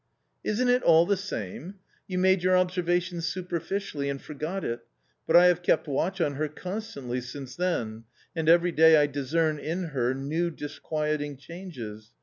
" Isn't it all the same ? You made your observation superficially, and forgot it ; but I have kept watch on her constantly since then, and every day I discern in her new disquieting changes.